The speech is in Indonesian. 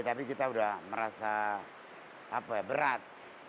tapi kita sudah merasa berat